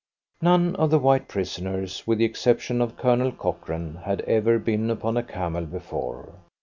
None of the white prisoners, with the exception of Colonel Cochrane, had ever been upon a camel before.